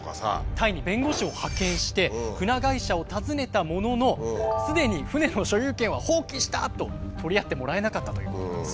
タイに弁護士を派遣して船会社を訪ねたものの「すでに船の所有権は放棄した」と取り合ってもらえなかったということなんですよ。